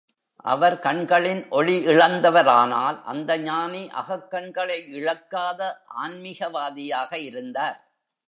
அவர் கண்களின் ஒளி இழந்தவர் ஆனால், அந்த ஞானி அகக்கண்களை இழக்காத ஆன்மிகவாதியாக இருந்தார்.